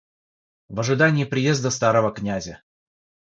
В ожидании приезда старого князя.